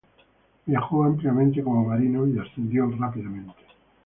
Viajó ampliamente como marino y ascendió rápidamente.